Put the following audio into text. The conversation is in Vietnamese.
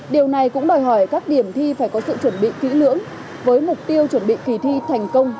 điều này cũng đòi hỏi các điểm thi phải có sự chuẩn bị kỹ lưỡng với mục tiêu chuẩn bị kỳ thi thành công